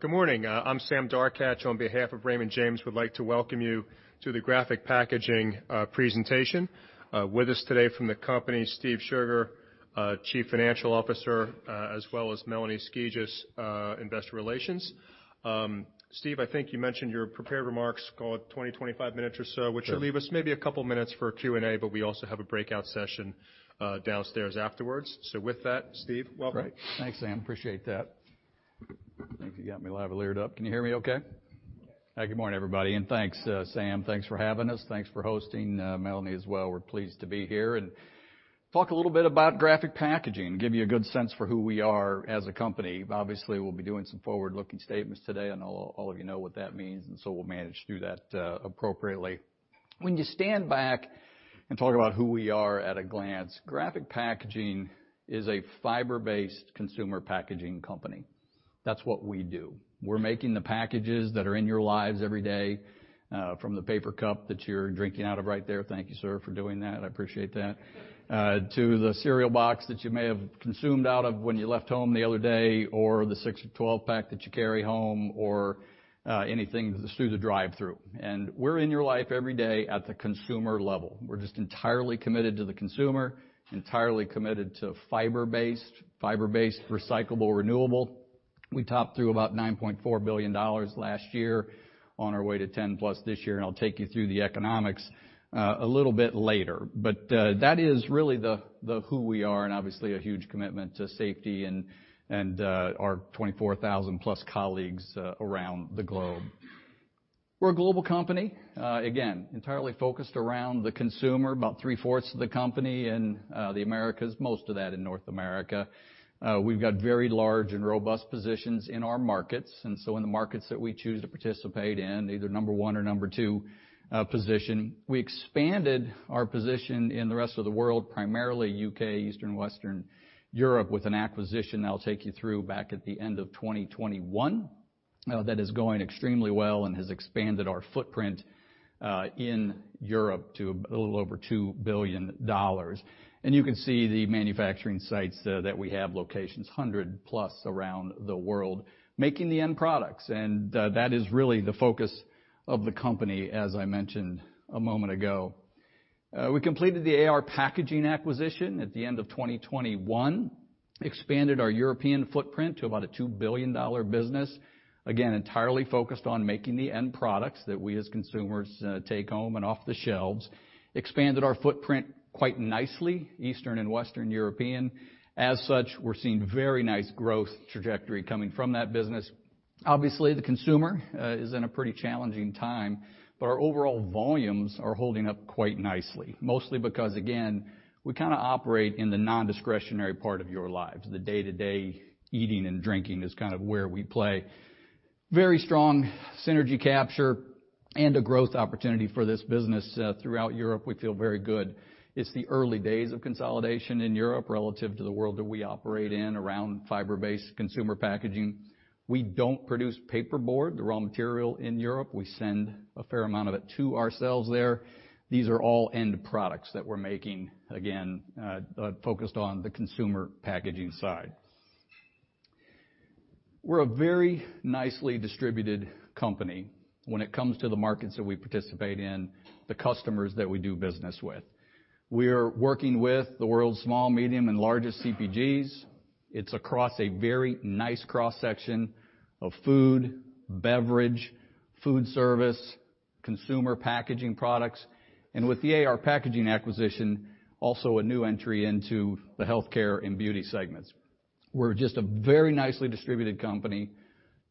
Good morning. I'm Sam Darkatsh. On behalf of Raymond James, we'd like to welcome you to the Graphic Packaging presentation. With us today from the company, Steve Steve Scherger, Chief Financial Officer, as well as Melanie Skouras, Investor Relations. Steve, I think you mentioned your prepared remarks, call it 20, 25 minutes or so- Sure. which will leave us maybe a couple minutes for Q&A, but we also have a breakout session downstairs afterwards. With that, Steve, welcome. Great. Thanks, Sam. Appreciate that. I think you got me lavaliered up. Can you hear me okay? Yes. Good morning, everybody, and thanks, Sam Darkatsh. Thanks for having us. Thanks for hosting, Melanie Skouras as well. We're pleased to be here and talk a little bit about Graphic Packaging, give you a good sense for who we are as a company. Obviously, we'll be doing some forward-looking statements today, and all of you know what that means, and so we'll manage through that appropriately. When you stand back and talk about who we are at a glance, Graphic Packaging is a fiber-based consumer packaging company. That's what we do. We're making the packages that are in your lives every day, from the paper cup that you're drinking out of right there. Thank you, sir, for doing that. I appreciate that. To the cereal box that you may have consumed out of when you left home the other day or the six or 12 pack that you carry home or anything through the drive-through. We're in your life every day at the consumer level. We're just entirely committed to the consumer, entirely committed to fiber-based, recyclable, renewable. We topped through about $9.4 billion last year on our way to 10+ this year. I'll take you through the economics a little bit later. That is really the who we are and obviously a huge commitment to safety and our 24,000+ colleagues around the globe. We're a global company, again, entirely focused around the consumer, about three-fourths of the company in the Americas, most of that in North America. We've got very large and robust positions in our markets, and so in the markets that we choose to participate in, either number one or number two position. We expanded our position in the rest of the world, primarily U.K., Eastern, Western Europe, with an AR Packaging acquisition I'll take you through back at the end of 2021 that is going extremely well and has expanded our footprint in Europe to a little over $2 billion. You can see the manufacturing sites that we have locations, 100+ around the world making the end products. That is really the focus of the company, as I mentioned a moment ago. We completed the AR Packaging acquisition at the end of 2021, expanded our European footprint to about a $2 billion business. Again, entirely focused on making the end products that we, as consumers, take home and off the shelves. Expanded our footprint quite nicely, Eastern and Western European. We're seeing very nice growth trajectory coming from that business. The consumer is in a pretty challenging time, but our overall volumes are holding up quite nicely. Again, we kinda operate in the non-discretionary part of your lives. The day-to-day eating and drinking is kind of where we play. Very strong synergy capture and a growth opportunity for this business. Throughout Europe, we feel very good. It's the early days of consolidation in Europe relative to the world that we operate in around fiber-based consumer packaging. We don't produce paperboard, the raw material in Europe. We send a fair amount of it to ourselves there. These are all end products that we're making, again, focused on the consumer packaging side. We're a very nicely distributed company when it comes to the markets that we participate in, the customers that we do business with. We are working with the world's small, medium, and largest CPGs. It's across a very nice cross-section of food, beverage, food service, consumer packaging products. With the AR Packaging acquisition, also a new entry into the healthcare and beauty segments. We're just a very nicely distributed company.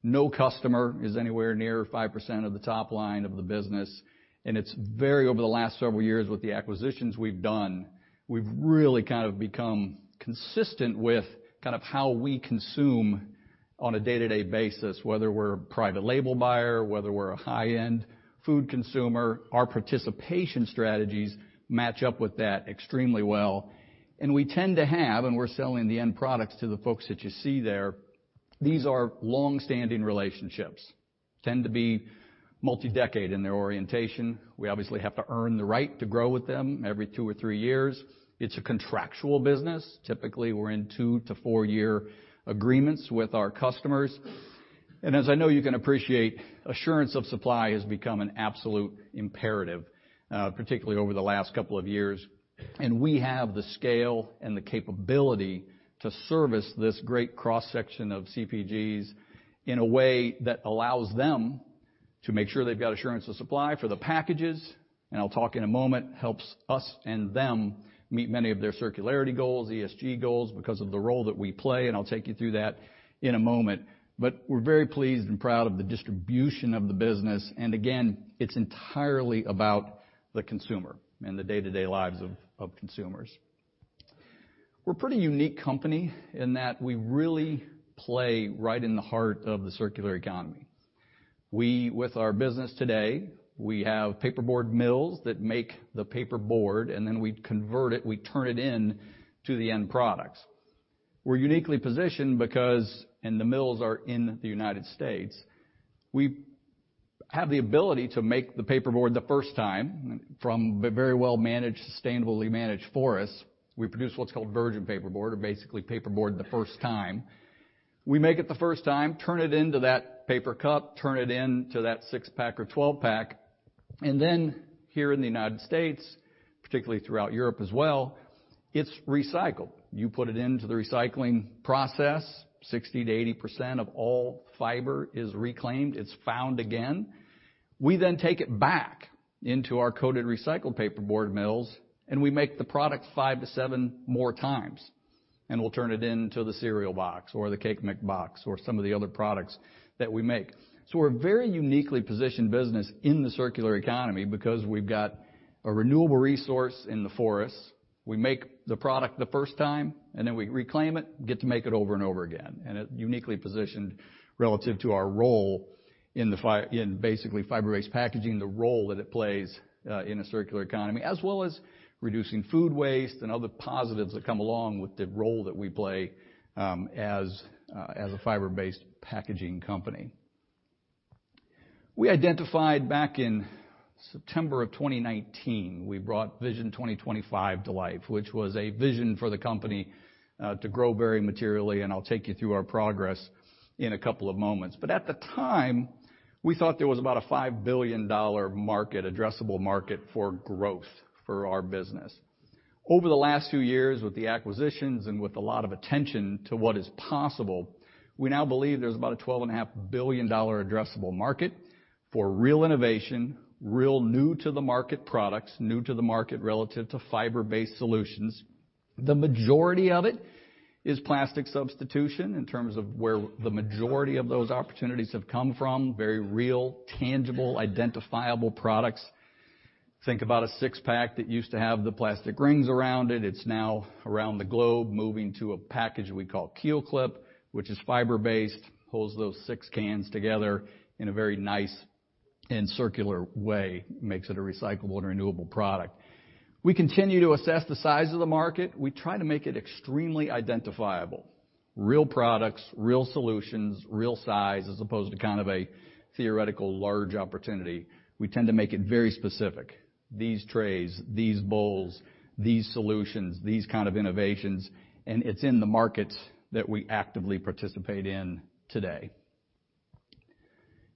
No customer is anywhere near 5% of the top line of the business, and over the last several years with the acquisitions we've done, we've really kind of become consistent with kind of how we consume on a day-to-day basis, whether we're a private label buyer, whether we're a high-end food consumer. Our participation strategies match up with that extremely well. We're selling the end products to the folks that you see there, these are long-standing relationships. Tend to be multi-decade in their orientation. We obviously have to earn the right to grow with them every two or three years. It's a contractual business. Typically, we're in two to four-year agreements with our customers. As I know you can appreciate, assurance of supply has become an absolute imperative, particularly over the last couple of years. We have the scale and the capability to service this great cross-section of CPGs in a way that allows them to make sure they've got assurance of supply for the packages. I'll talk in a moment, helps us and them meet many of their circularity goals, ESG goals because of the role that we play, and I'll take you through that in a moment. We're very pleased and proud of the distribution of the business. Again, it's entirely about the consumer and the day-to-day lives of consumers. We're a pretty unique company in that we really play right in the heart of the circular economy. We, with our business today, we have paperboard mills that make the paperboard, and then we convert it, we turn it in to the end products. We're uniquely positioned because the mills are in the United States, we have the ability to make the paperboard the first time from very well-managed, sustainably managed forests. We produce what's called virgin paperboard, or basically paperboard the first time. We make it the first time, turn it into that paper cup, turn it into that six-pack or 12-pack, and then here in the United States, particularly throughout Europe as well, it's recycled. You put it into the recycling process, 60%-80% of all fiber is reclaimed, it's found again. We take it back into our coated recycled paperboard mills, and we make the product five-seven more times, and we'll turn it into the cereal box or the Cake Mix box or some of the other products that we make. We're very uniquely positioned business in the circular economy because we've got a renewable resource in the forests. We make the product the first time, and then we reclaim it, get to make it over and over again. It uniquely positioned relative to our role in basically fiber-based packaging, the role that it plays in a circular economy, as well as reducing food waste and other positives that come along with the role that we play as a fiber-based packaging company. We identified back in September of 2019, we brought Vision 2025 to life, which was a vision for the company to grow very materially. I'll take you through our progress in a couple of moments. At the time, we thought there was about a $5 billion market, addressable market for growth for our business. Over the last few years, with the acquisitions and with a lot of attention to what is possible, we now believe there's about a $12.5 billion addressable market for real innovation, real new to the market products, new to the market relative to fiber-based solutions. The majority of it is plastic substitution in terms of where the majority of those opportunities have come from, very real, tangible, identifiable products. Think about a six-pack that used to have the plastic rings around it. It's now around the globe, moving to a package we call KeelClip, which is fiber-based, holds those six cans together in a very nice and circular way, makes it a recyclable and renewable product. We continue to assess the size of the market. We try to make it extremely identifiable. Real products, real solutions, real size, as opposed to kind of a theoretical large opportunity. We tend to make it very specific. These trays, these bowls, these solutions, these kind of innovations. It's in the markets that we actively participate in today.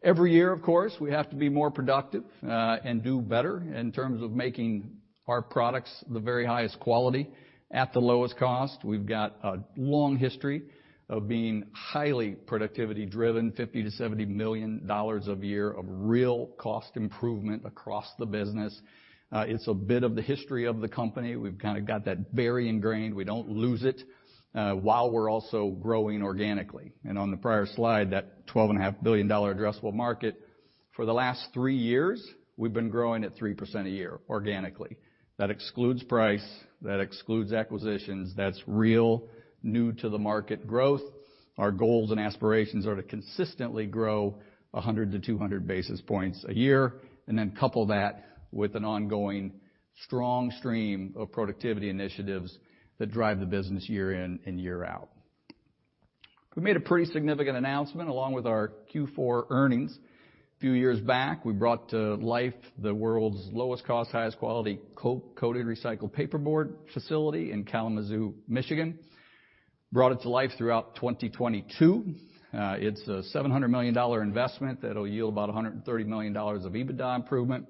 Every year, of course, we have to be more productive and do better in terms of making our products the very highest quality at the lowest cost. We've got a long history of being highly productivity driven, $50 million-$70 million a year of real cost improvement across the business. It's a bit of the history of the company. We've kinda got that very ingrained. We don't lose it while we're also growing organically. On the prior slide, that $12.5 billion addressable market, for the last three years, we've been growing at 3% a year organically. That excludes price, that excludes acquisitions. That's real new to the market growth. Our goals and aspirations are to consistently grow 100-200 basis points a year, and then couple that with an ongoing strong stream of productivity initiatives that drive the business year in and year out. We made a pretty significant announcement along with our Q4 earnings. Few years back, we brought to life the world's lowest cost, highest quality co-coated recycled paperboard facility in Kalamazoo, Michigan. Brought it to life throughout 2022. It's a $700 million investment that'll yield about $130 million of EBITDA improvement.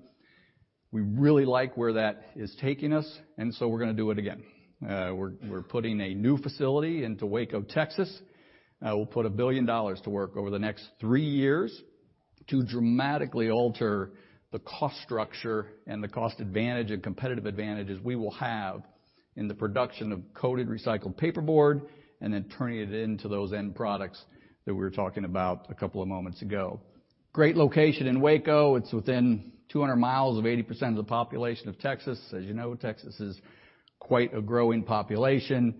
We really like where that is taking us, and so we're gonna do it again. We're putting a new facility into Waco, Texas. We'll put $1 billion to work over the next three years to dramatically alter the cost structure and the cost advantage and competitive advantages we will have in the production of coated recycled paperboard and then turning it into those end products that we were talking about a couple of moments ago. Great location in Waco. It's within 200 miles of 80% of the population of Texas. As you know, Texas is quite a growing population.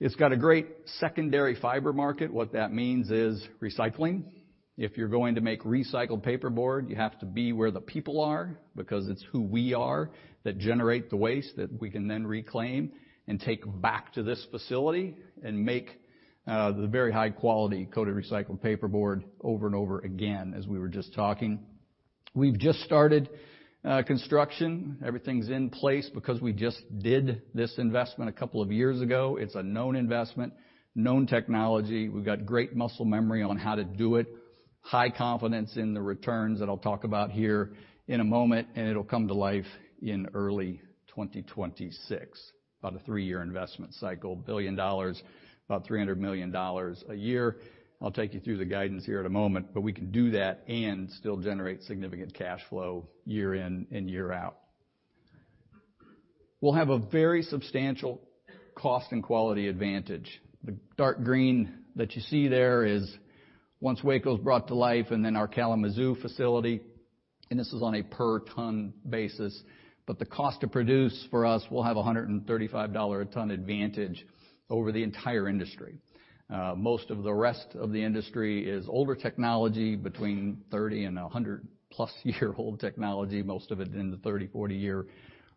It's got a great secondary fiber market. What that means is recycling. If you're going to make recycled paperboard, you have to be where the people are because it's who we are that generate the waste that we can then reclaim and take back to this facility and make the very high-quality coated recycled paperboard over and over again, as we were just talking. We've just started construction. Everything's in place because we just did this investment a couple of years ago. It's a known investment, known technology. We've got great muscle memory on how to do it, high confidence in the returns that I'll talk about here in a moment, and it'll come to life in early 2026. About a three-year investment cycle, $1 billion, about $300 million a year. I'll take you through the guidance here in a moment. We can do that and still generate significant cash flow year in and year out. We'll have a very substantial cost and quality advantage. The dark green that you see there is once Waco's brought to life, and then our Kalamazoo facilityAnd this is on a per ton basis, but the cost to produce for us will have a $135 a ton advantage over the entire industry. Most of the rest of the industry is older technology between 30 and a 100+-year-old technology, most of it in the 30, 40-year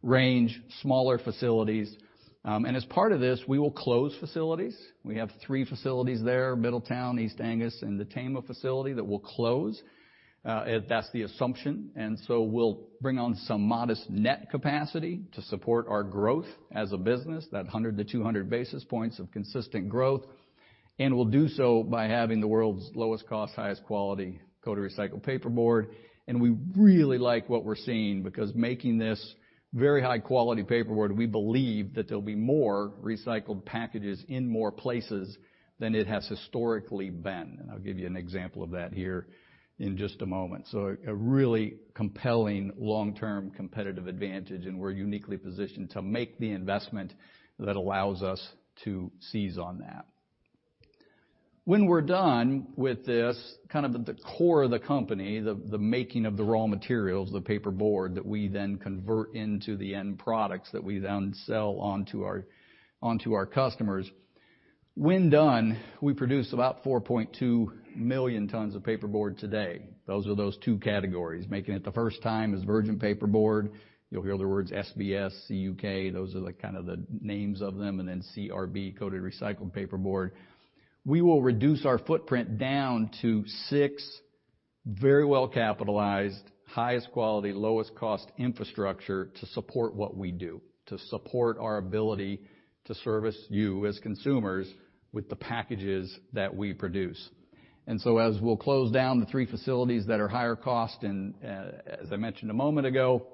range, smaller facilities. As part of this, we will close facilities. We have three facilities there, Middletown, East Angus, and the Tama facility that will close. That's the assumption. So we'll bring on some modest net capacity to support our growth as a business, that 100-200 basis points of consistent growth, and we'll do so by having the world's lowest cost, highest quality coated recycled paperboard. We really like what we're seeing because making this very high-quality paperboard, we believe that there'll be more recycled packages in more places than it has historically been. I'll give you an example of that here in just a moment. A really compelling long-term competitive advantage, and we're uniquely positioned to make the investment that allows us to seize on that. When we're done with this, kind of the core of the company, the making of the raw materials, the paperboard that we then convert into the end products that we then sell on to our, onto our customers. When done, we produce about 4.2 million tons of paperboard today. Those are those two categories, making it the first time as virgin paperboard. You'll hear other words, SBS, CUK. Those are the kind of the names of them, and then CRB, coated recycled paperboard. We will reduce our footprint down to six very well-capitalized highest quality, lowest cost infrastructure to support what we do, to support our ability to service you as consumers with the packages that we produce. As we'll close down the three facilities that are higher cost, as I mentioned a moment ago,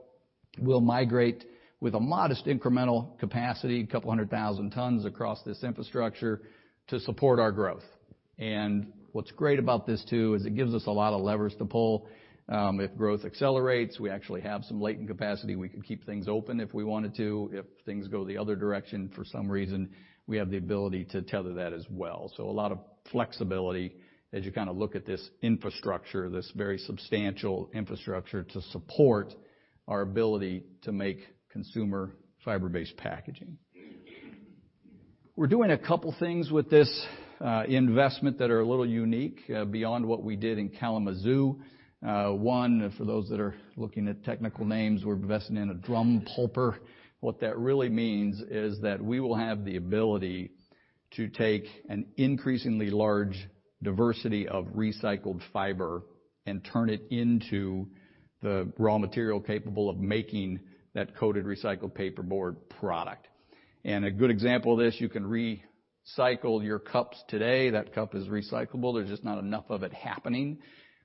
we'll migrate with a modest incremental capacity, 200,000 tons across this infrastructure to support our growth. What's great about this too, is it gives us a lot of levers to pull. If growth accelerates, we actually have some latent capacity. We could keep things open if we wanted to. If things go the other direction for some reason, we have the ability to tether that as well. A lot of flexibility as you kinda look at this infrastructure, this very substantial infrastructure to support our ability to make consumer fiber-based packaging. We're doing two things with this investment that are a little unique beyond what we did in Kalamazoo. One, for those that are looking at technical names, we're investing in a drum pulper. What that really means is that we will have the ability to take an increasingly large diversity of recycled fiber and turn it into the raw material capable of making that coated recycled paperboard product. A good example of this, you can recycle your cups today. That cup is recyclable. There's just not enough of it happening.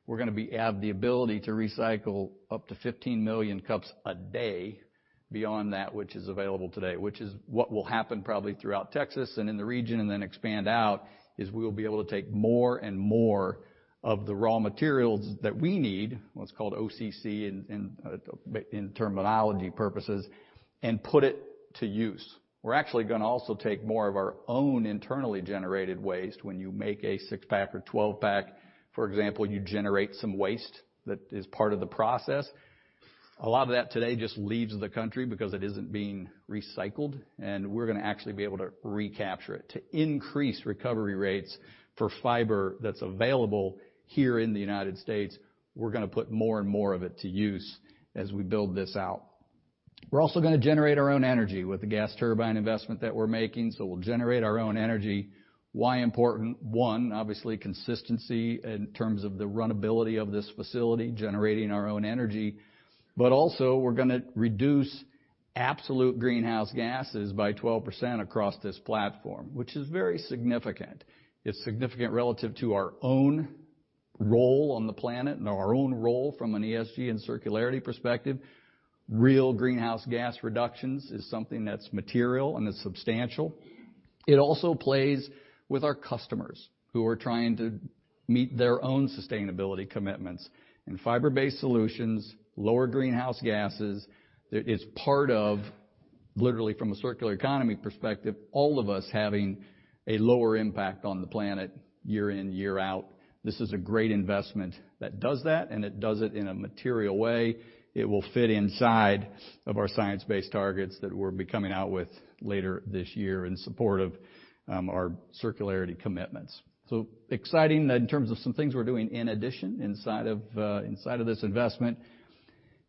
We're gonna have the ability to recycle up to 15 million cups a day beyond that which is available today, which is what will happen probably throughout Texas and in the region and then expand out, is we will be able to take more and more of the raw materials that we need, what's called OCC in terminology purposes, and put it to use. We're actually gonna also take more of our own internally generated waste. When you make a six-pack or twelve-pack, for example, you generate some waste that is part of the process. A lot of that today just leaves the country because it isn't being recycled, and we're gonna actually be able to recapture it to increase recovery rates for fiber that's available here in the United States. We're gonna put more and more of it to use as we build this out. We're also gonna generate our own energy with the gas turbine investment that we're making, so we'll generate our own energy. Why important? One, obviously consistency in terms of the runnability of this facility, generating our own energy. Also we're gonna reduce absolute greenhouse gases by 12% across this platform, which is very significant. It's significant relative to our own role on the planet and our own role from an ESG and circularity perspective. Real greenhouse gas reductions is something that's material and it's substantial. It also plays with our customers who are trying to meet their own sustainability commitments. Fiber-based solutions, lower greenhouse gases, it is part of, literally from a circular economy perspective, all of us having a lower impact on the planet year in, year out. This is a great investment that does that, and it does it in a material way. It will fit inside of our Science-Based Targets that we'll be coming out with later this year in support of our circularity commitments. Exciting in terms of some things we're doing in addition inside of inside of this investment.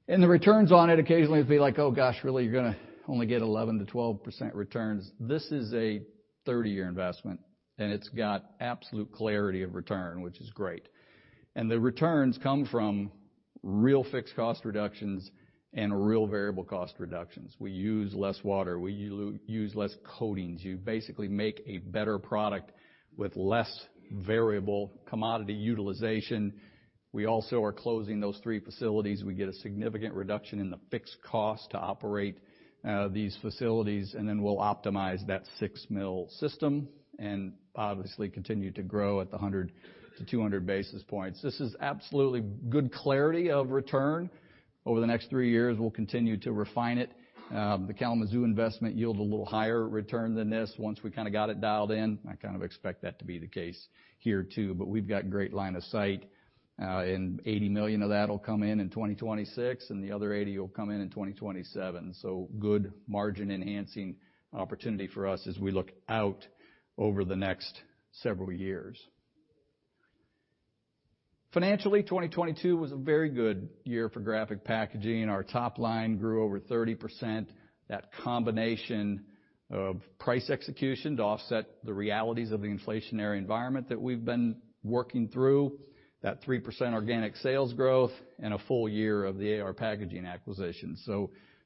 The returns on it occasionally be like, "Oh, gosh, really? You're gonna only get 11%-12% returns. This is a 30-year investment, and it's got absolute clarity of return, which is great. The returns come from real fixed cost reductions and real variable cost reductions. We use less water. We use less coatings. You basically make a better product with less variable commodity utilization. We also are closing those three facilities. We get a significant reduction in the fixed cost to operate these facilities, and then we'll optimize that six mil system and obviously continue to grow at 100-200 basis points. This is absolutely good clarity of return. Over the next three years, we'll continue to refine it. The Kalamazoo investment yield a little higher return than this once we kinda got it dialed in. I kind of expect that to be the case here too, but we've got great line of sight. $80 million of that'll come in in 2026, and the other $80 million will come in in 2027. Good margin-enhancing opportunity for us as we look out over the next several years. Financially, 2022 was a very good year for Graphic Packaging. Our top line grew over 30%. That combination of price execution to offset the realities of the inflationary environment that we've been working through, that 3% organic sales growth and a full year of the AR Packaging acquisition.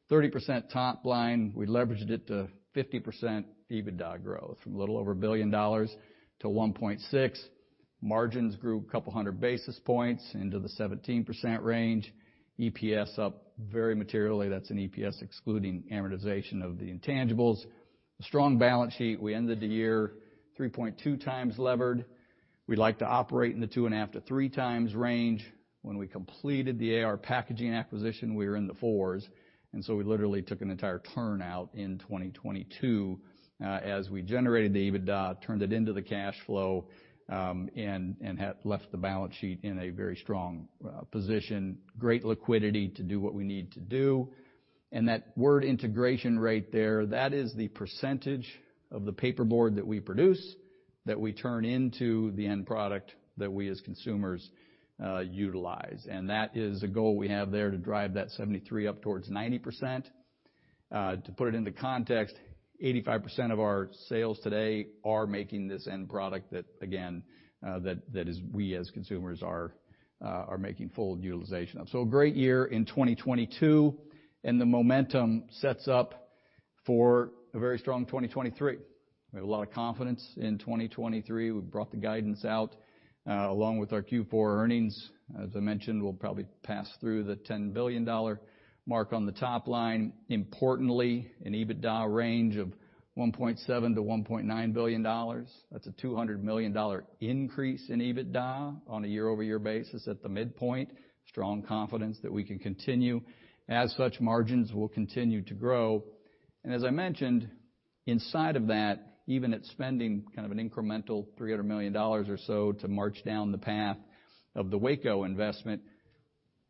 30% top line, we leveraged it to 50% EBITDA growth from a little over $1 billion to $1.6 billion. Margins grew 200 basis points into the 17% range. EPS up very materially. That's an EPS excluding amortization of the intangibles. A strong balance sheet. We ended the year 3.2x levered. We like to operate in the 2.5-3x range. When we completed the AR Packaging acquisition, we were in the fours, and so we literally took an entire turn out in 2022, as we generated the EBITDA, turned it into the cash flow, and had left the balance sheet in a very strong position. Great liquidity to do what we need to do. That word integration rate there, that is the percentage of the paperboard that we produce that we turn into the end product that we as consumers utilize. That is a goal we have there to drive that 73 up towards 90%. To put it into context, 85% of our sales today are making this end product that, again, that is we as consumers are making full utilization of. A great year in 2022, and the momentum sets up for a very strong 2023. We have a lot of confidence in 2023. We've brought the guidance out along with our Q4 earnings. As I mentioned, we'll probably pass through the $10 billion mark on the top line. Importantly, an EBITDA range of $1.7 billion-$1.9 billion. That's a $200 million increase in EBITDA on a year-over-year basis at the midpoint. Strong confidence that we can continue. As such, margins will continue to grow. As I mentioned, inside of that, even at spending kind of an incremental $300 million or so to march down the path of the Waco investment,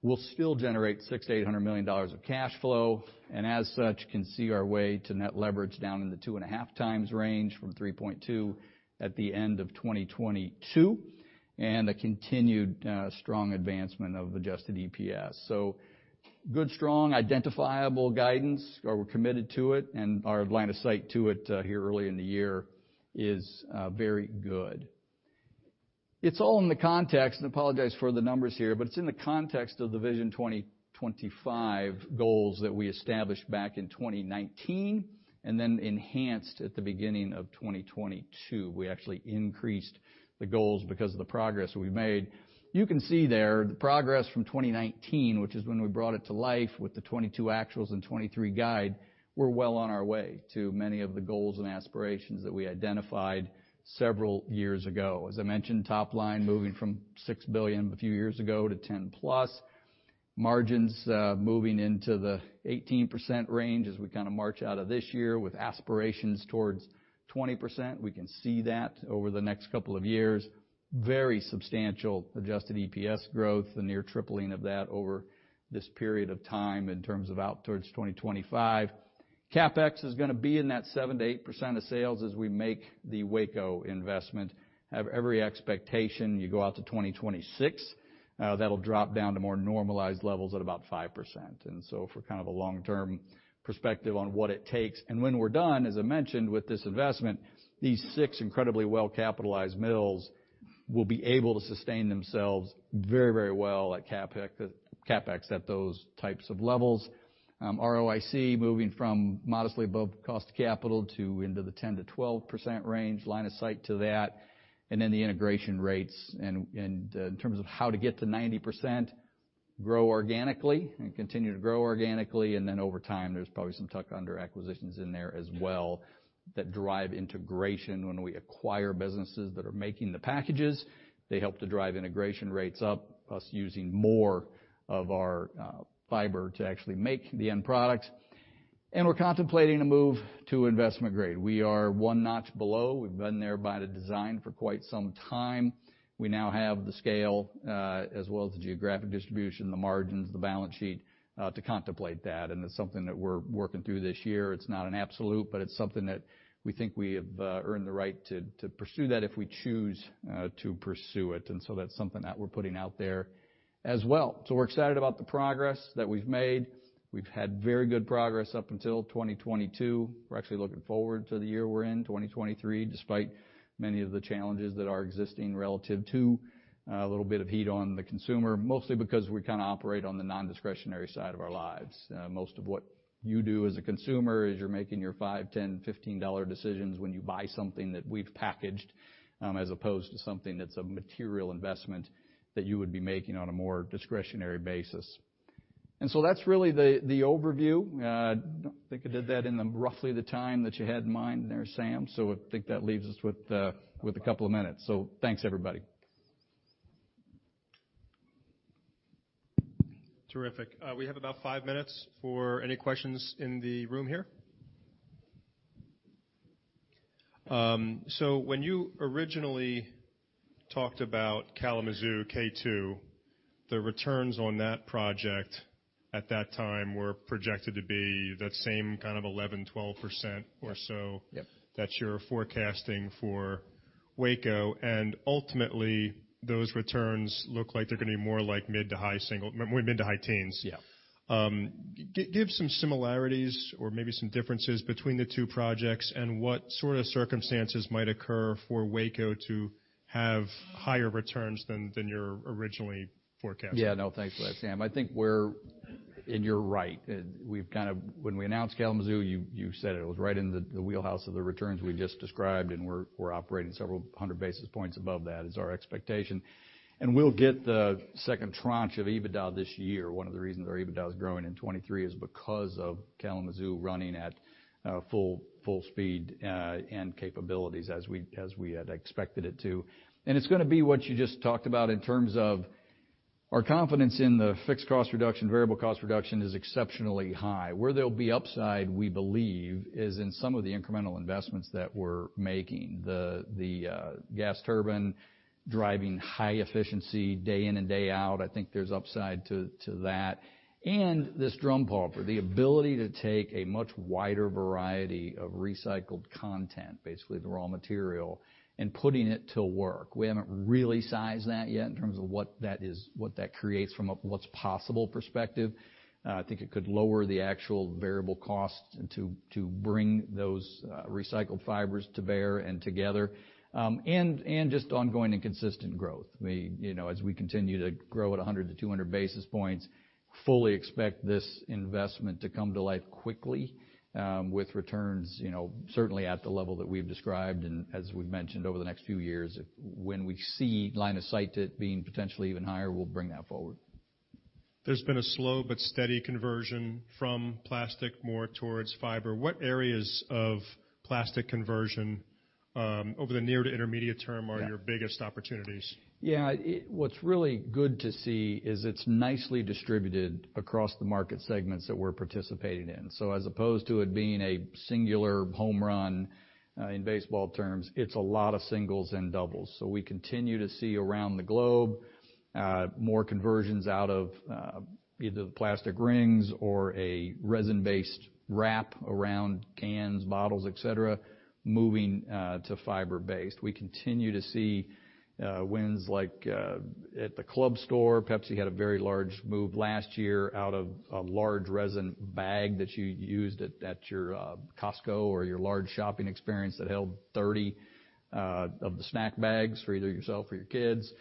we'll still generate $600 million-$800 million of cash flow, and as such, can see our way to net leverage down in the 2.5x range from 3.2 at the end of 2022, and a continued, strong advancement of Adjusted EPS. Good, strong, identifiable guidance, or we're committed to it, and our line of sight to it, here early in the year is very good. It's all in the context, and I apologize for the numbers here, but it's in the context of the Vision 2025 goals that we established back in 2019, and then enhanced at the beginning of 2022. We actually increased the goals because of the progress we've made. You can see there the progress from 2019, which is when we brought it to life with the 22 actuals and 23 guide, we're well on our way to many of the goals and aspirations that we identified several years ago. As I mentioned, top line moving from $6 billion a few years ago to $10+. Margins moving into the 18% range as we kinda march out of this year with aspirations towards 20%. We can see that over the next couple of years. Very substantial Adjusted EPS growth, the near tripling of that over this period of time in terms of out towards 2025. CapEx is gonna be in that 7%-8% of sales as we make the Waco investment. Have every expectation you go out to 2026, that'll drop down to more normalized levels at about 5%. For kind of a long-term perspective on what it takes. When we're done, as I mentioned, with this investment, these six incredibly well-capitalized mills will be able to sustain themselves very, very well at CapEx at those types of levels. ROIC moving from modestly above cost of capital to into the 10%-12% range, line of sight to that, and then the integration rates. In terms of how to get to 90%, grow organically and continue to grow organically, and then over time, there's probably some tuck under acquisitions in there as well that drive integration. When we acquire businesses that are making the packages, they help to drive integration rates up, us using more of our fiber to actually make the end products. We're contemplating a move to investment grade. We are one notch below. We've been there by the design for quite some time. We now have the scale, as well as the geographic distribution, the margins, the balance sheet, to contemplate that, and it's something that we're working through this year. It's not an absolute, but it's something that we think we have earned the right to pursue that if we choose to pursue it. That's something that we're putting out there as well. We're excited about the progress that we've made. We've had very good progress up until 2022. We're actually looking forward to the year we're in, 2023, despite many of the challenges that are existing relative to a little bit of heat on the consumer, mostly because we kinda operate on the non-discretionary side of our lives. Most of what you do as a consumer is you're making your $5, $10, $15 decisions when you buy something that we've packaged, as opposed to something that's a material investment that you would be making on a more discretionary basis. That's really the overview. I think I did that in the roughly the time that you had in mind there, Sam. I think that leaves us with a couple of minutes. Thanks, everybody. Terrific. We have about five minutes for any questions in the room here. When you originally talked about Kalamazoo K2, the returns on that project at that time were projected to be that same kind of 11%-12% or so. Yep. that you're forecasting for Waco, and ultimately those returns look like they're gonna be more like mid to high teens. Yeah. Give some similarities or maybe some differences between the two projects and what sort of circumstances might occur for Waco to have higher returns than you're originally forecasting? Yeah. No, thanks for that, Sam. I think we're. You're right. We've kind of when we announced Kalamazoo, you said it. It was right in the wheelhouse of the returns we just described, and we're operating several hundred basis points above that is our expectation. We'll get the second tranche of EBITDA this year. One of the reasons our EBITDA is growing in 2023 is because of Kalamazoo running at full speed and capabilities as we had expected it to. It's gonna be what you just talked about in terms of our confidence in the fixed cost reduction. Variable cost reduction is exceptionally high. Where there'll be upside, we believe, is in some of the incremental investments that we're making. The gas turbine driving high efficiency day in and day out, I think there's upside to that. This drum pulper, the ability to take a much wider variety of recycled content, basically the raw material, and putting it to work. We haven't really sized that yet in terms of what that is, what that creates from a what's possible perspective. I think it could lower the actual variable costs and to bring those recycled fibers to bear and together, and just ongoing and consistent growth. We, you know, as we continue to grow at 100-200 basis points, fully expect this investment to come to life quickly, with returns, you know, certainly at the level that we've described and as we've mentioned over the next few years. When we see line of sight to it being potentially even higher, we'll bring that forward. There's been a slow but steady conversion from plastic more towards fiber. What areas of plastic conversion, over the near to intermediate term? Yeah. your biggest opportunities? Yeah. What's really good to see is it's nicely distributed across the market segments that we're participating in. As opposed to it being a singular home run, in baseball terms, it's a lot of singles and doubles. We continue to see around the globe, more conversions out of either the plastic rings or a resin-based wrap around cans, bottles, et cetera, moving to fiber-based. We continue to see wins like at the club store. PepsiCo had a very large move last year out of a large resin bag that you used at your Costco or your large shopping experience that held 30 of the snack bags for either yourself or your kids.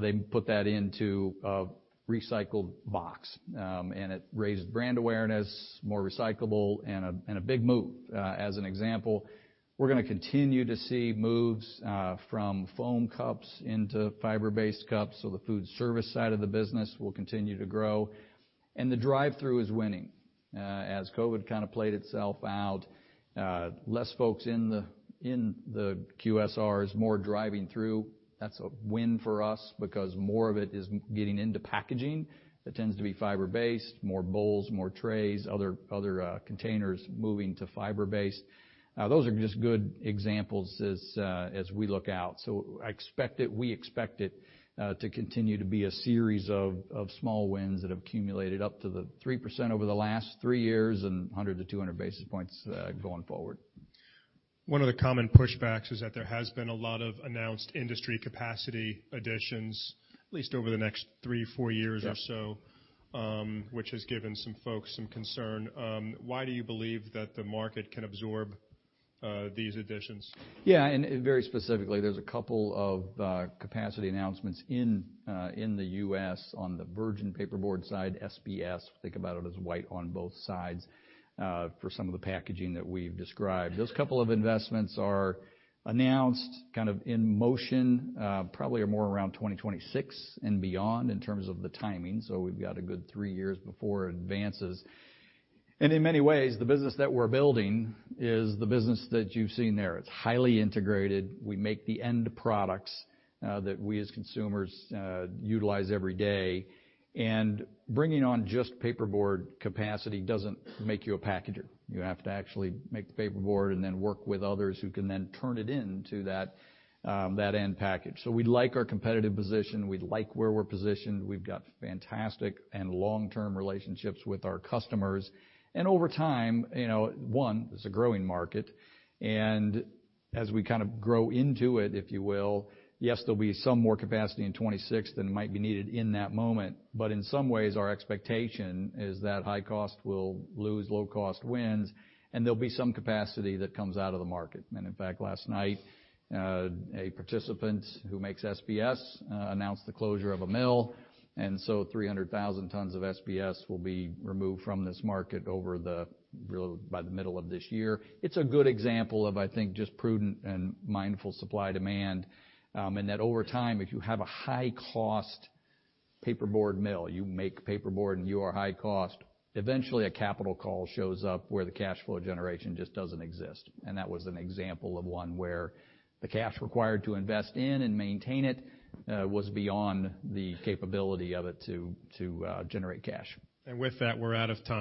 They put that into a recycled box, and it raised brand awareness, more recyclable, and a big move as an example. We're gonna continue to see moves from foam cups into fiber-based cups, so the food service side of the business will continue to grow. The drive-thru is winning. As COVID kind of played itself out, less folks in the QSR, is more driving through. That's a win for us because more of it is getting into packaging that tends to be fiber-based, more bowls, more trays, other containers moving to fiber-based. Those are just good examples as we look out. We expect it to continue to be a series of small wins that have accumulated up to the 3% over the last three years and 100-200 basis points going forward. One of the common pushbacks is that there has been a lot of announced industry capacity additions, at least over the next three, four years or so. Yeah. which has given some folks some concern. Why do you believe that the market can absorb these additions? Very specifically, there's two capacity announcements in the U.S. on the virgin paperboard side, SBS, think about it as white on both sides, for some of the packaging that we've described. Those two investments are announced, kind of in motion, probably more around 2026 and beyond in terms of the timing, so we've got a good three years before it advances. In many ways, the business that we're building is the business that you've seen there. It's highly integrated. We make the end products that we as consumers utilize every day. Bringing on just paperboard capacity doesn't make you a packager. You have to actually make the paperboard and then work with others who can then turn it into that end package. We like our competitive position. We like where we're positioned. We've got fantastic and long-term relationships with our customers. Over time, you know, one, it's a growing market. As we kind of grow into it, if you will, yes, there'll be some more capacity in 2026 than might be needed in that moment. In some ways, our expectation is that high cost will lose, low cost wins, and there'll be some capacity that comes out of the market. In fact, last night, a participant who makes SBS announced the closure of a mill, and so 300,000 tons of SBS will be removed from this market by the middle of this year. It's a good example of, I think, just prudent and mindful supply demand. That over time, if you have a high cost paperboard mill, you make paperboard and you are high cost, eventually a capital call shows up where the cash flow generation just doesn't exist. That was an example of one where the cash required to invest in and maintain it was beyond the capability of it to generate cash. With that, we're out of time.